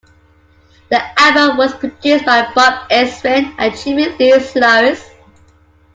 The album was produced by Bob Ezrin and Jimmie Lee Sloas.